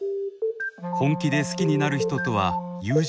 本気で好きになる人とは友人